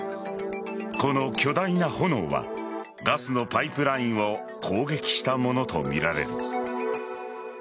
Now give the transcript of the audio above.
この巨大な炎はガスのパイプラインを攻撃したものとみられる。